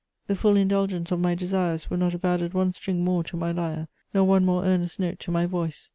The full indulgence of my desires would not have added one string more to my lyre, nor one more earnest note to my voice.